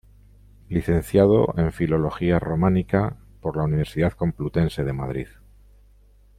Licenciado en Filología Románica por la Universidad Complutense de Madrid.